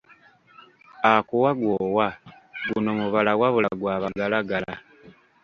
Akuwa gw’owa , guno mubala wabula gwa bagalagala.